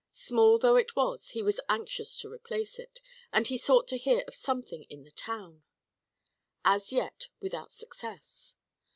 Small though it was, he was anxious to replace it; and he sought to hear of something in the town. As yet, without success.